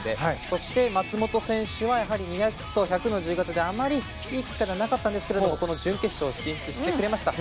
そして、松元選手はやはり２００と１００の自由形であまりいってなかったんですがこの準決勝進出してくれました。